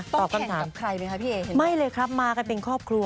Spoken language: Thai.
แข่งกับใครไหมคะพี่เอเห็นไม่เลยครับมากันเป็นครอบครัว